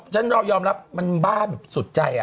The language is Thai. ช่างเต็มมันบ้าที่สุดใจ